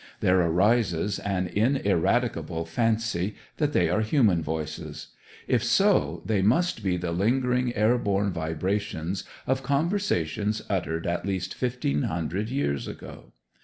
There arises an ineradicable fancy that they are human voices; if so, they must be the lingering air borne vibrations of conversations uttered at least fifteen hundred years ago.